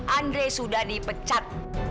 andre sudah dipecat